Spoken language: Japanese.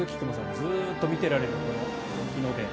ずっと見てられるので。